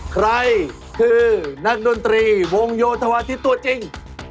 ใครคือนักดนตรีวงโยธวาทิศตัวจริง